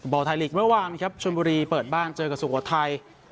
บอลไทยลีกเมื่อวานครับชนบุรีเปิดบ้านเจอกับสุโขทัย